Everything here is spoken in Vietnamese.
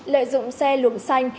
lợi dụng xe luồng xanh